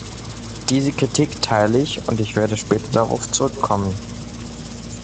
Diese Kritik teile ich, und ich werde später darauf zurückkommen.